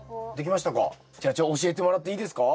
じゃあ教えてもらっていいですか？